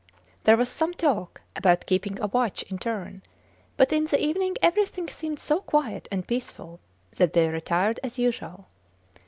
There was some talk about keeping a watch in turn, but in the evening everything seemed so quiet and peaceful that they retired as usual.